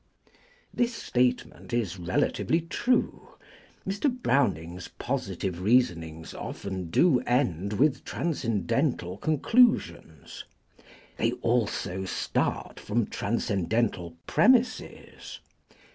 This statement is relatively true. Mr. Browning's positive reasonings often do end with transcendental conclusions. They also start from transcendental premises.